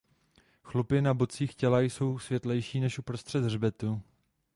Chlupy na bocích těla jsou světlejší než uprostřed hřbetu.